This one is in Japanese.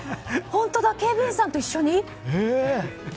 本当だ、警備員さんと一緒に。